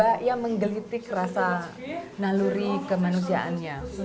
aku mencoba ya menggelitik rasa naluri kemanusiaannya